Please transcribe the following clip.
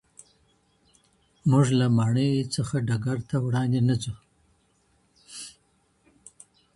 موږ له ماڼۍ څخه ډګر ته وړاندي نه ځو.